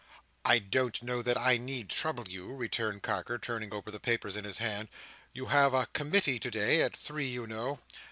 "I don't know that I need trouble you," returned Carker, turning over the papers in his hand. "You have a committee today at three, you know."